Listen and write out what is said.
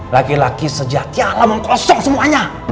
laki laki sejati alam kosong semuanya